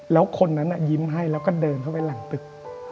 แล้วคนนั้นยิ้มให้แล้วก็เดินเข้าไปหลังตึก